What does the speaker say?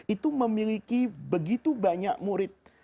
itu memiliki begitu banyak murid